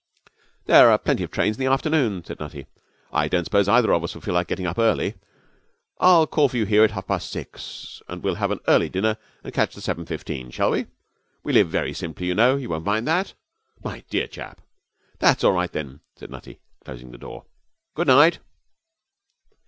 'There are plenty of trains in the afternoon,' said Nutty. 'I don't suppose either of us will feel like getting up early. I'll call for you here at half past six, and we'll have an early dinner and catch the seven fifteen, shall we? We live very simply, you know. You won't mind that?' 'My dear chap!' 'That's all right, then,' said Nutty, closing the door. 'Good night.'